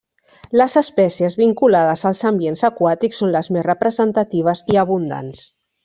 Les espècies vinculades als ambients aquàtics són les més representatives i abundants.